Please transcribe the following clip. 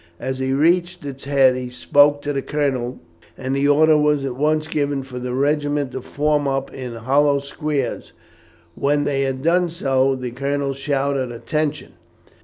As he reached the head he spoke to the colonel, and the order was at once given for the regiment to form up in hollow square. When they had done so the colonel shouted, "Attention!"